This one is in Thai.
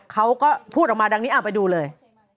เขาก็พูดออกมาดังนี้ไปดูเลย